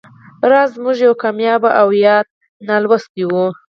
راز زموږ یو کامیاب او یاد ناولسټ و